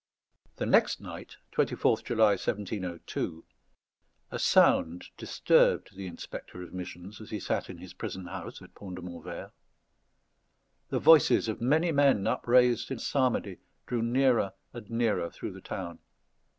The next night, 24th July 1702, a sound disturbed the Inspector of Missions as he sat in his prison house at Pont de Montvert: the voices of many men upraised in psalmody drew nearer and nearer through the town.